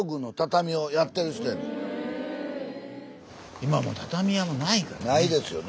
今もう畳屋もないからね。